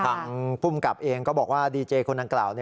ภูมิกับเองก็บอกว่าดีเจคนดังกล่าว